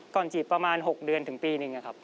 จีบประมาณ๖เดือนถึงปีหนึ่งครับ